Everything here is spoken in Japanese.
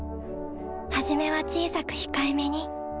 初めは小さく控えめに。